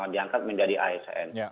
diangkat menjadi asn